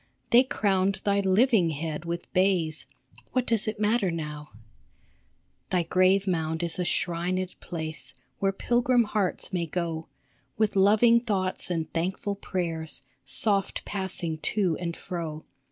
They crowned thy living head with bays ; What does it matter now ? Thy grave mound is a shrined place, Where pilgrim hearts may go, With loving thoughts and thankful prayers, Soft passing to and fro.